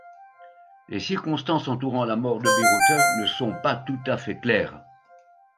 Les circonstances entourant la mort de Birutė ne sont pas tout à fait claires.